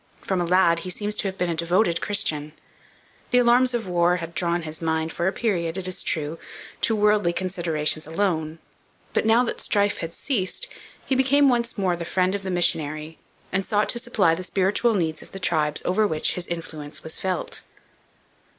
From a lad, he seems to have been a devoted Christian. The alarms of war had drawn his mind for a period, it is true, to worldly considerations alone, but now that strife had ceased he became once more the friend of the missionary and sought to supply the spiritual needs of the tribes over which his influence was felt.